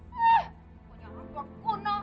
kau nyampuk kuno